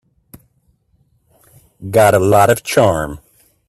Got a lot of charm.